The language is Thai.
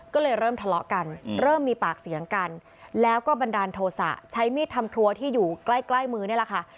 ก็เลยเริ่มทะเลาะกันเริ่มมีปากเสียงกันแล้วก็บันดาลโทษะใช้มีดทำครัวที่อยู่ใกล้ใกล้มือนี่แหละค่ะ